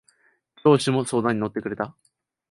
上司も相談に乗ってくれた。